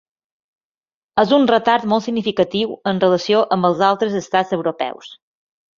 És un retard molt significatiu en relació amb els altres estats europeus.